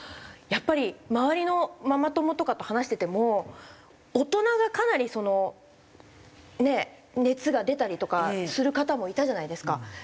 やっぱり周りのママ友とかと話してても大人がかなりその熱が出たりとかする方もいたじゃないですか。